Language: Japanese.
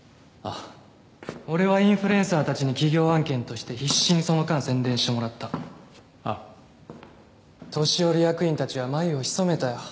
あ俺はインフルエンサーたちに企業案件として必死にその間宣伝してもらったああ年寄り役員たちは眉をひそめたよ